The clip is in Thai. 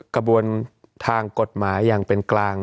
กระบวนทางกฎหมายอย่างเป็นกลาง